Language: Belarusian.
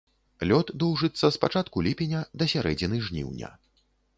Лёт доўжыцца з пачатку ліпеня да сярэдзіны жніўня.